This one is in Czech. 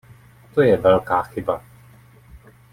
To je velká chyba.